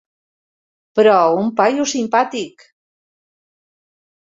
Però un paio simpàtic!